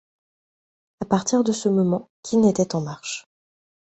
À partir de ce moment Qin était en marche.